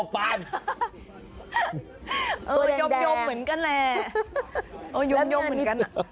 ตัวยมเหมือนกันแหละ